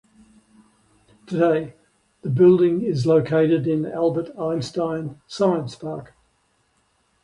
Today the building is located in Albert Einstein Science Park.